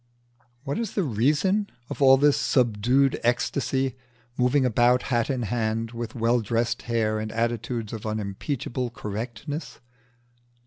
What is the reason of all this subdued ecstasy, moving about, hat in hand, with well dressed hair and attitudes of unimpeachable correctness?